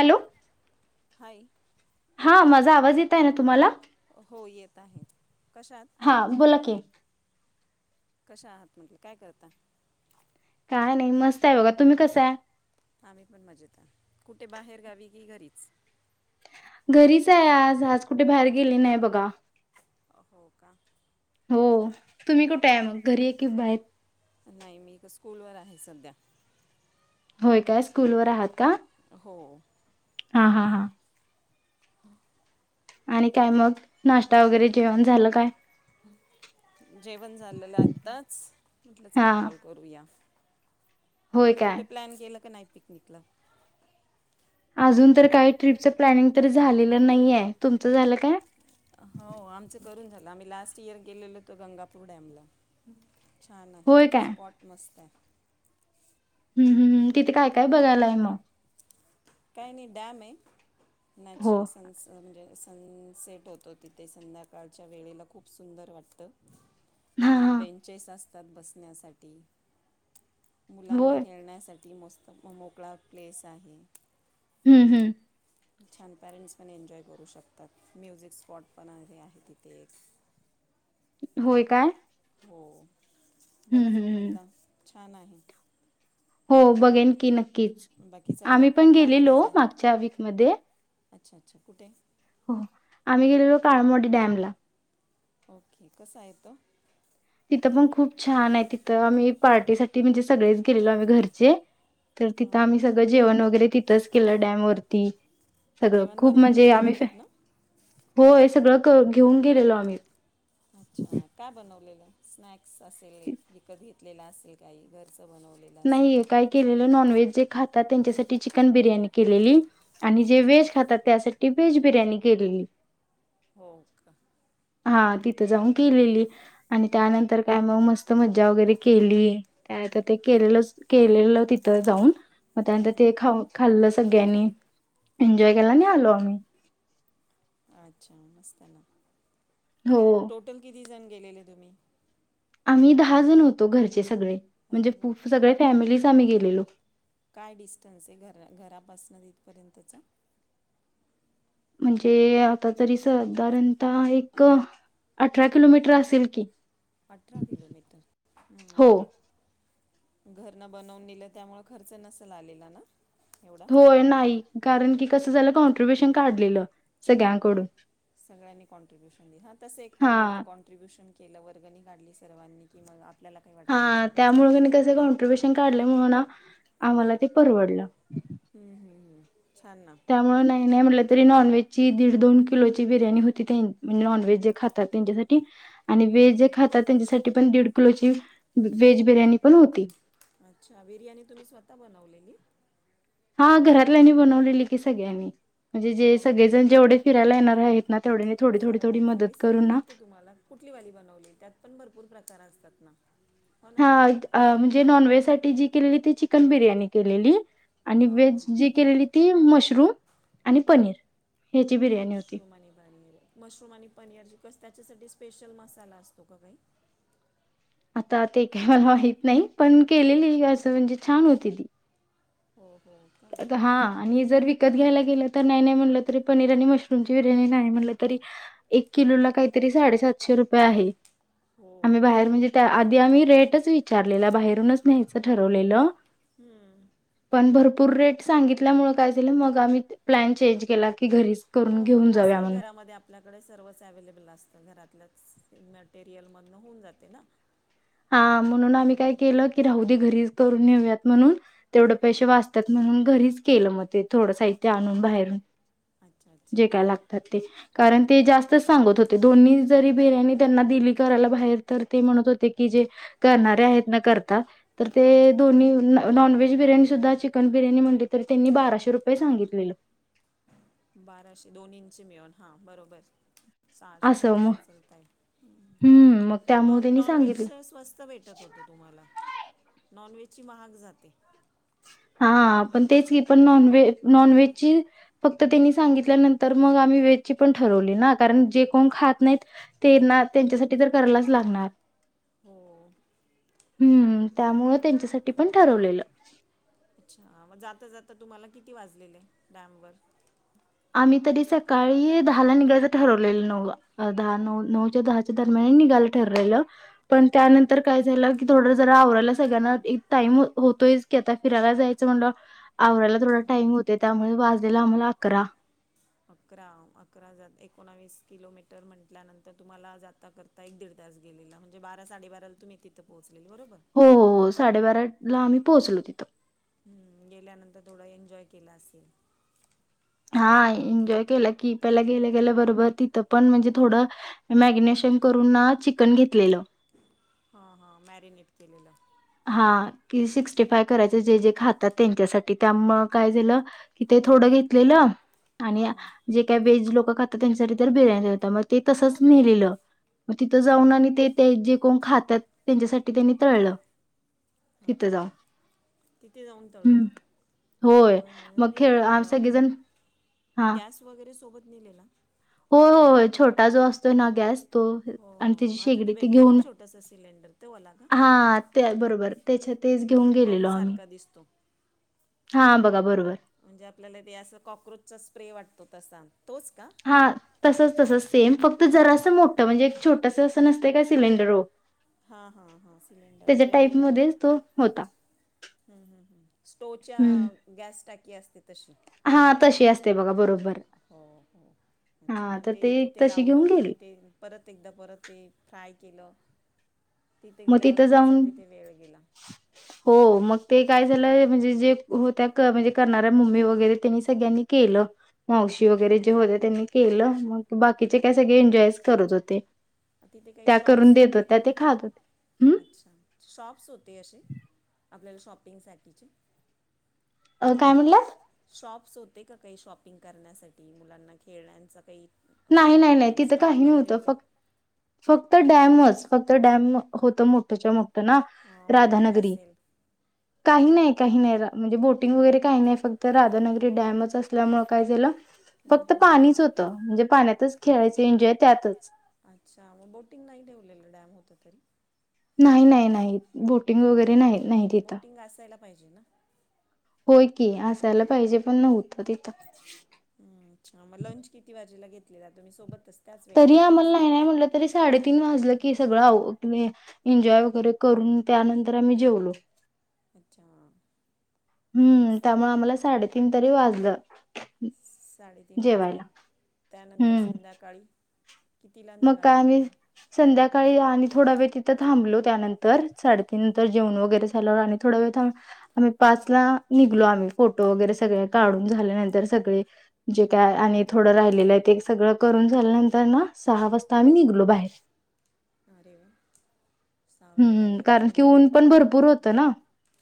Hello hi हा माझा आवाज येत आहे ना तुम्हाला हो येत आहे हा बोला की कशा आहात म्हटल काय करताय काय नाही मस्त आहे बघा तुम्ही कस आहे आम्ही पण मजेत आ कुठे बाहेर गावी की घरीच घरीच आहे आज आज कुठे बाहेर गेली नाही बघा हो का हो तुम्ही कुठे आहे मग घरी की बाहेर नाही मी स्कूलवर आहे सध्या होय काय स्कूलवर आहात का हो हा हा हा [inaudible] आणि काय मग नाष्टा वगैरे जेवण झालं काय जेवण झालेलं आत्ताच म्हटलं हा चला कॉल करूया होय तुम्ही काय कुठे प्लॅन केलं क नाही [inaudible] अजून तर काही ट्रीपच प्लॅनिंग तर झालेलं नाहीय तुमचं झालं काय हो आमचं करून झालं आम्ही लास्ट इयर गेलेलो होतो गंगापूर डॅम ला छान आहे होय काय स्पॉट मस्त आहे हम्म हम्म् तिथे काय काय बघायला आहे मग काही नाय डॅम आहे हो नॅचरल सन्स म्हणजे सनसेट होतो तिथे संध्याकाळच्या वेळेला खूप सुंदर वाटतं. हा आणि हा बेंचेस अस- तात बसण्यासाठी. मुलांना होय खेळण्यासाठी. ति मस्त मोकळा प्लेस आहे. हम्म- हम्म छान पॅरेंट्स पण एन्जॉय करू शकतात म्युझिक स्पॉट पण आहे तिथे एक. होय काय? हो हम्म बघा हम्म जाऊन हम्म. एकदा. छान आहे? हो बघेन की नक्की. नक्कीच बाकी चाललंय आम्ही पण कोकणामध्ये गेलेलो जा मागच्या वीकमध्ये. अच्छा -अच्छा कुठे हो आम्ही गेलेलो काळमोडी डॅमला. ओके कसा आहे तो- तिथे पण खूप छान आहे तिथं आम्ही पार्टीसाठी म्हणजे सगळेच गेलेलो आम्ही घरचे- तर तिथं आम्ही सगळ जेवण वैगेरे. तस किल्ला डॅम वरती. सगळं जेवण खूप बनवून म्हणजे नेलेलं आम्ही फ- घरनं होय सगळं घेऊन गेलेलो आम्ही. अच्छा काय बनवलेलं स्नॅक् असेली कधी ले असेल काही घरच. नाहीये काय केलेलं नॉनव्हेज जे खात- तात त्यांच्यासाठी चिकन बिर्याणी केलेली. आणि जे अच्छा वेज खातात त्यासाठी- वेज बिर्याणी केलेली. हो का? हा तिथं जाऊन केलेली. आणि त्यानंतर काय मग मस्त- मज्जा वगैरे केली त्या आता ते- केलेलं केलेलं तिथं जाऊन- मग त्यानंतर ते खाऊ खाल्लं सगळ्यांनी. एन्जॉय केल आणि आलो आम्ही. अच्छा मस्त आहे ना. हो, टोटल किती जण - - गेलेले तुम्ही? आम्ही दहा जण होतो घरचेच. सगळे म्हणजे अरे वा पूफ सगळे फॅमिली आम्ही गेलेलो. काय डिस्टन्स आहे घरा घरापासून इथपर्यंतचा? म्हणजे आता तरी साधारणतः एक अठरा किलोमीटर असेल की. अठरा किलोमीटर हो, हम्म. घरन बनवून नेल त्यामुळे खर्च नसेल आलेला ना? एवढा होय. नाही. कारण की - - तसं झालं कॉन्ट्रीब्युशन काढलेलं सगळ्यांकडून- - सगळ्यांनी कॉन्ट्रीब्युशन हा तस एक परवडतं हां, कॉन्ट्रब्यूशन - - केलं वर्गणी काढली सर्वांनी कि मग अप हा त्यामुळे कनी कसं कॉन्ट्रीब्युशन काढल - - म्हणून आम्हाला ते परवडलं. हम्म हम्म हम्म. छान ना त्यामुळे नाही नाही म्हनलं - - तरी नॉनव्हेज ची दीड दोन किलो ची बिर्याणी होती त्या म्हणजे नॉनव्हेज जे खातात त्यांच्यासाठी - - आणि हां व्हेज जे हां खातात त्यांच्यासाठी पण दीड - - दीड किलोची व्हेज बिर्याणी पण होती. अच्छा बिर्याणी तुम्ही स्वतः बनवलेली? हा घरातल्यांनी बनवलेली की सगळ्यांनी. म्हणजे जे हो सगळेजण जेवढे फिरायला येणार - - जे आहेत नात - - सर्वांनी रेसिपी माहित हाय तुम्हाला कुठली वाली बनवली. त्यात पण भरपूर प्रकार असतात ना? हो ना हा हा म्हणजे नॉनव्हेज - - साठी जी केलीली ती चिकन बिर्याणी केलेली - - आणि हां व्हेज हां जी केलेली ती तीन मशरूम आणि पनीर - - मशरूम आणि पनीर, मशरूम आणि पनीर ज कस त्याच्यासाठी - - स्पेशल मसाला असतो का काही? आता ते काही माहित नाही पण केलेली असं म्हणजे छान होती ती. हो. हो का हा आणि जर विकत घ्यायला केल तर नाही नाही म्हटलं तरी पनीर आणि मशरूम ची बिर्याणी नाही म्हटलं तरी एक किलोला काहीतरी साडेसातशे रुपये आहे हो आम्ही हो बाहेर म्हणजे त्या आधी आम्ही रेटच विचारलेला बाहेर म्हणूनच नहायचं ठरवलेलं हम्म पूर रेट सांगितल्यामुळं काय झालं मग आम्ही प्लॅन चेंज केला की घरीच हो करून घेऊन जाऊया असेही म्हणून. घरामध्ये आपल्याकडे सर्वच अवेलेबल असत घरातल मटेरियल मधून होऊन जाते ना. हा म्हणून आम्ही काय केलं की राहू दे घरी करून नेऊयात म्हणून तेवढे हां पैसे वाचतात म्हणून घरीच केलं मग ते थोड साहित्य आणून बाहेरून. अच्छा जे काय अच्छा लागतात ते कारण ते जास्त सांगत होते दोन्ही जरी बिर्याणी त्यांना दिली करायला बाहेर तर ते म्हणत होते कि जे करणारे आहेत ना करता तर ते हां दोन्ही नॉनव्हेज बिर्याणी सुद्धा चिकन बिर्याणी म्हणली तरी त्यांनी बाराशे रुपये सांगितलेलं. बाराशे दोन्हींची मिळून हा बरोबर. सहाशे असं मग सहाशेच होतंय हम्म त्यामुळे मग त्यांनी नॉन सांगितलं व्हेज स्वस्त भेटत होत तुम्हाला. नॉनव्हेजची महाग जाते. हा पण तेच की पण नॉनव्हेज नॉनव्हेजची फक्त त्यांनी सांगितल्यानंतर मग आम्ही व्हेजची पण ठरवली ना कारण जे कोण खात नाहीत तेना त्यांच्यासाठी तर करायलाच लागणार. हो हम्म त्यामुळ त्यांच्यासाठी पण ठरवलेलं. अच्छा म जाता जाता तुम्हाला किती वाजलेले डॅम वर. मी तरी सकाळी दहाला निघायचं ठरवलेलं नऊला दहा नऊ नऊच्या दहाच्या दरम्यान निघायला ठरलेलं पण हां त्यानंतर काय झालं की थोडं जरा आवरायला सगळ्यांना एक टाइम होत होतोयच की आता फिरायला जायचं म्हणल्यावर आवरायला थोडा टाईम होते त्यामुळे वाज लेला आम्हाला अकरा. अकरा अकरा एकोणावीस किलोमीटर म्हंटल्यानंतर तुम्हाला जाता करता एक दीड तास गेलेला म्हणजे बारा साडेबाराला तुम्ही तिथे पोच हो ही हो साडेबारा ला आम्ही पोहोचलो तिथं. हम्म गेल्यानंतर थोडा एन्जॉय केला असेल. हा एन्जॉय केलं की पहिल्या गेल्या गेल्या बरोबर तिथं पण म्हणजे थोडं मॅगनेशन करून ना चिकन घेतलेलं हा हा मॅरिनेट केलेलं. हा कि सिक्स्टी फाय करायच जे जे खातात त्यांच्यासाठी त्यामुळ काय झालं की ते थोडं घेतलेलं आणि हां हां जे काय वेज लोक क खातात त्यांसाठी तर बिर्याणी होता मग ते तसंच नेलेलं. मग तिथं जाऊन आणि ते ते जे कोण खातात त्यांच्यासाठी त्यांनी तळलं. हा तिथं ओके जाऊन. तिथे जाऊन तळल हं, होय. मग तुम्ही खेळ आ हे सगळेजण गॅस वगैरे सोबत. नेलेला. हो हो छोटा जो असतोय ना गॅस तो हो आणि हो तिची आता ते शेगडी ती भेटतं ना घेऊन छोटंसं सिलेंडर ते वाला का हा त्या बरोबर. त्याच्यात तेच घेऊन पंप गेलेलो आम्ही सारखा दिसतो हा बघा. बरोबर. म्हणजे आपल्याला ते असं कॉक्रोचचा स्प्रे वाटतो. तसा. तोच का हा तसच तसच सेम फक्त जरा स मोठं म्हणजे एक छोटस. नसते काय सिलेंडर ओ हा हा हा सिलेंडर त्याच्या म्हणजे् टाईपमध्येच तो होता. हम हम हम स्टोवच्या हम्म गॅस टाय. [inaudible] तशे हा तशी असते बघा बरोबर अच्छा हा मग तर ते तिथे तशी लावलं घेऊन गेली. तुम्ही ते परत एकदा परत ते फ्राय कीलो. मग तिथं जाऊन गेला हो मग ते काय झालं म्हणजे जे होत्या क म्हणजे करणारऱ्या मम्मी वगैरे त्यांनी सगळ्यांनी केलं त्या मावशी वगैरे जे होते त्यांनी केलं. मग बाकीचे काय सगळे एन्जॉयच करत होते. तिथे काही त्या करून शॉप्स देत होते होत्या का ते खात होते. अच्छा शॉप्स. ते अशे आपल्याला शॉपिंगसाठीचे अ काय म्हणलंत. शॉप्स होते का काही शॉपिंग करण्यासाठी मुलांना खेळण्याचा काही नाही नाही अ, नाही तिथं स्टॉल वगैरे काहीव्हतं होते फक् फक्त डॅमच. फक्त डॅम होत मोठ्याच्या मोठं. ना अ, बोटिंग राधानगरी असेल काही नाही. काही नाही म्हणजे बोटिंग वगैरे काही नाही फक्त राधानगरी डॅमच असल्यामुळे काय झालं. फक्त पाणीच होतं म्हणजे त्यातच खेळायचे एनजॉय त्यातच. अच्छा मग बोटिंग नाही ठेवलेलं डॅम होत तरी नाही नाही नाही बोटिंग वगैरे नाही नाही तिथ बोटिंग असायला पाहिजे ना होय की असायला पाहिजे पण नव्हत तिथं हम् अच्छा मग लंच किती वाजेला घेतलेला तुम्ही सोबत अस तरी आम्हाला नाही नाही म्हटलं तरी साडेतीन वाजलं की सगळं आवरून एन्जॉय वगैरे करून त्यानंतर आम्ही जेवलो. अच्छा मग हम्म त्यामुळे आम्हाला साडेतीन तरी वाजलं. साडेतीन वाजले जेवायला त्यानंतर हम्म संध्याकाळी कितीला मग काय निघाले आम्ही रिटर्न संध्याकाळी आणि थोडा वेळ तिथ थांबलो त्यानंतर साडेतीनंतर जेवून वगैरे झाल. आणि थोड वेळ थां आमही पाच ला निघलो आम्ही. फोटो वगैरे सगळे काढून झाल्यानंतर सगळे जे काय आणि थोडं राहिलेलं आहे. ते सगळं करून झाल्यानंतर ना सहा वाजता आम्ही निघलो बाहेर. अरे वा सहा वाजेला हम्म कारण निघालात की घरी ऊन पण येता भरपूर करता पण. होतं ना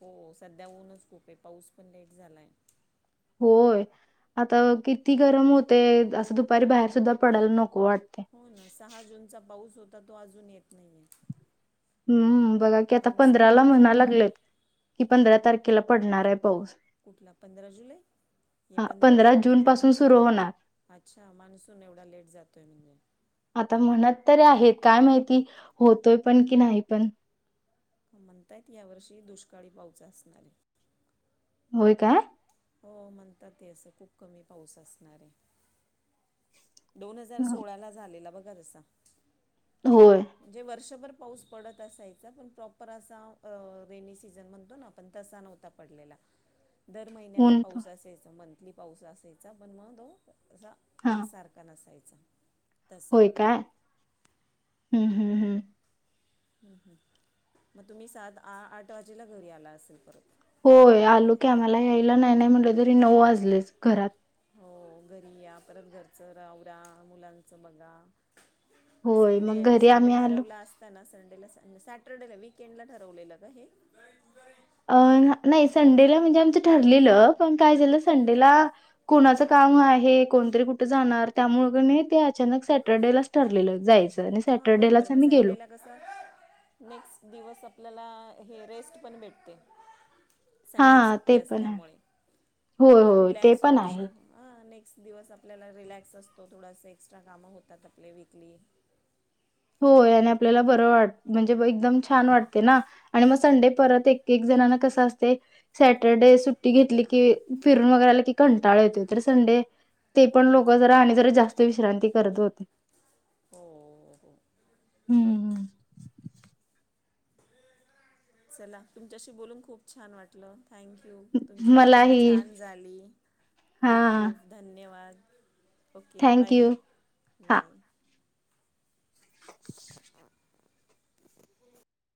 हो सध्या ऊनच खूप आहे पाऊस पण लेट झालाय. होय आता किती गरम होते. असं दुपारी बाहेर सुद्धा पडायला नको वाटते हो ना सहा जूनचा पाऊस हो अजून येत नाहिये हम्म बघा की आता पंधराला म्हणा झाला लागलेत कि पंधरा तारखेला पडणार आहे. पाऊस कुठला पंधरा जुलै ये हा पंधरा जून पासून सुरू होणार अच्छा मान्सून एवढा लेट जातोय म्ह आता म्हणत तरी आहेत काय माहिती होतोय पण की नाही पण म्हणतायत यावर्षी दुष्काळी पाऊसच असणारे. होय काय हो म्हणतात ते असं खूप कमी पाऊस असणार आहे. दोन हजार सोळा ला झालेला बघ गरस होय जे वर्षभर पाऊस पडत असायचा पण प्रॉपर असा अ रेनी सीझन म्हणतो ना आपण तसा नव्हता पडलेला. दर महिन्याला ऊन पण- पाऊस असयच म्हण कली पाऊस असायचा पण मग दो जा हा एकसारखा नसाय [inaudible] होय काय? हम्म हम्म हम्म! मग तुम्ही सात आ आठ वाजेला घरी आला असेल, पर होय आलो, की आम्हाला यायला नाही नाही म्हटलं तरी नऊ वाजलेच घरात. हो घरी या परत घरचं आवरा मुलांचं बघा. होय संडे मग घरी संडे आम्ही आलो ठरवला असताना संडेला सॅट सॅटरडे वीकेंड ला ठरवलेलं का हे? अ नाही संडेला म्हणजे आमचं ठरलेलं पण काय झालं? संडेला कोणाचं काम आहे. कोणतरी कुठं जाणार त्यामुळंच, क नई ते अचानक सॅटर्डेलाच ठरलेलं जायचं. आणि हां बरोबर सॅटर्डेलाच मग आम्ही गेलो संडे ला कस नेक्स्ट दिवस आपल्याला हे रेस्ट पण भेटते. हा संडे सुट्टी ते पण आहे असल्यामुळे होय मुळे होय ते रिलॅक्स पण होऊ आहे शकतो. हां दिवस आपल्याला रिलॅक्स असते. थोडासा एक्स्ट्रा काम होतात, आपले वीकली. होय! आणि आपल्याला बरं वाट [unintelligible] हो छान! हो वाटते ना आणि मग संडे परत एक एक जणांना कसं असतंय सॅटरडे सुट्टी घेतली, की फिरून वगैर आला की कंटाळ येतोय. तर संडे ते पण लोक जरा आणि जरा जास्त विश्रांती करत होते. हो. हो हम्म हम्म! चला तुमच्याशी बोलून खूप छान वाटलं. थँक्यू तुमची पिकनिक मलाही छान झाली, हा खूप खूप धन्यवाद. सके! Thank bye. यू हा